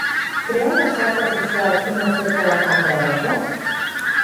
Creen les xarxes socials un efecte de cambra d'eco?